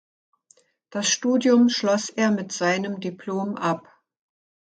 Das Studium schloss er mit seinem Diplom ab.